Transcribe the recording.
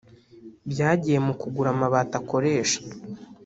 byagiye mu kugura amabati akoresha